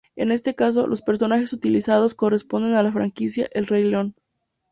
En este caso, los personajes utilizados corresponden a la franquicia El Rey León.